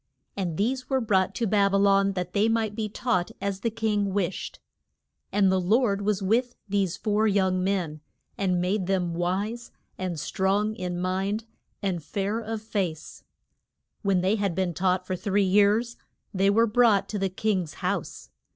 And these were brought to Bab y lon, that they might be taught as the king wished. And the Lord was with these four young men, and made them wise, and strong in mind, and fair of face. [Illustration: KING NEB U CHAD NEZ ZAR.] When they had been taught for three years they were brought to the king's house.